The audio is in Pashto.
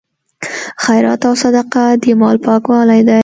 خیرات او صدقه د مال پاکوالی دی.